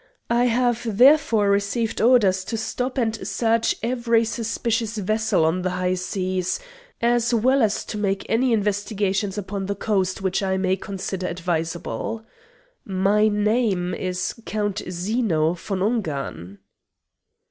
I have therefore received orders to stop and search every suspicious vessel on the high seas, as well as to make any investigations upon the coast which I may consider advisable. My name is Count Zeno von Ungern."